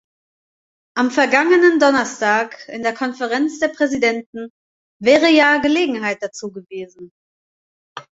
Am vergangenen Donnerstag, in der Konferenz der Präsidenten, wäre ja Gelegenheit dazu gewesen.